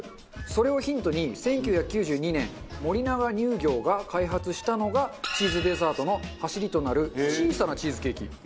それをヒントに１９９２年森永乳業が開発したのがチーズデザートのはしりとなる小さなチーズケーキ。